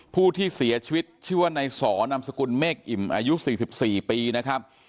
ผู้ที่เสียชีวิตชื่อว่านายสอนามสกุลเมฆอิ่มอายุ๔๔ปีนะครับ